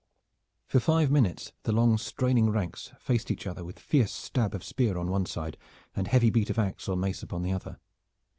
For five minutes the long straining ranks faced each other with fierce stab of spear on one side and heavy beat of ax or mace upon the other.